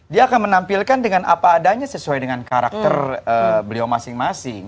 dia akan menampilkan dengan apa adanya sesuai dengan karakter beliau masing masing